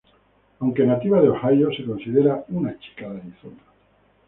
Aunque nativa de Ohio, se considera una chica de Arizona.